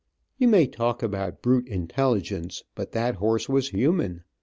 You may talk about brute intelligence, but that horse was human.